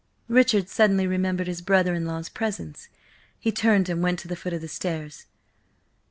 Richard suddenly remembered his brother in law's presence. He turned and went to the foot of the stairs.